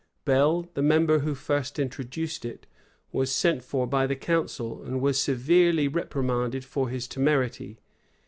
Bell, the member who first introduced it, was sent for by the council, and was severely reprimanded for his temerity.